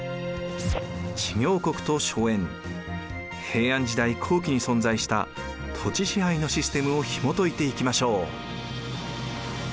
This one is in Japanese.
平安時代後期に存在した土地支配のシステムをひもといていきましょう。